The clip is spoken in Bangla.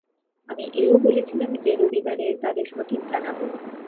আমি এও বলেছিলাম যে, রবিবারে তাদের সঠিক জানাব।